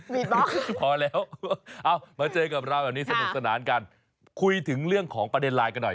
มีบ้างพอแล้วเอามาเจอกับเราแบบนี้สนุกสนานกันคุยถึงเรื่องของประเด็นไลน์กันหน่อย